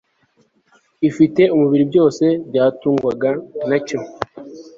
ibifite umubiri byose byatungwaga na cyo